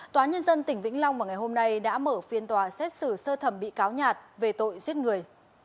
tòa nhân dân tỉnh vĩnh long vào ngày hôm nay đã mở phiên tòa xét xử sơ thẩm bị cáo nhạt về tội giết người